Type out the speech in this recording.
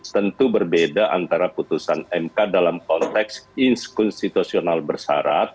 tentu berbeda antara keputusan mk dalam konteks konstitusional bersarat